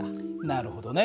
なるほどね。